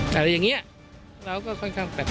แต่อย่างเงี้ยเราก็ค่อนข้างแปลก